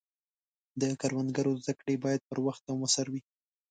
د کروندګرو زده کړې باید پر وخت او موثر وي.